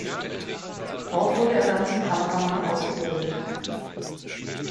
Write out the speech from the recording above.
Dort wurde er dann zum Kameramann ausgebildet.